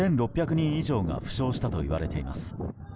人以上が負傷したといわれています。